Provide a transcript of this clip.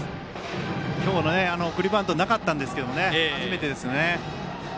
今日、送りバントなかったんですけども初めてですね。